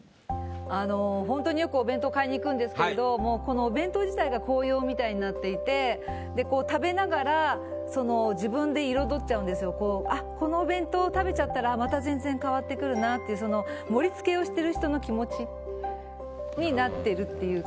あのほんとによくお弁当買いに行くんですけれどもこのお弁当自体が紅葉みたいになっていてでこう食べながらあっこのお弁当食べちゃったらまた全然変わってくるなっていうその盛り付けをしてる人の気持ちになってるっていうか。